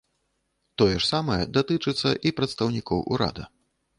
Тое ж самае датычыцца і прадстаўнікоў урада.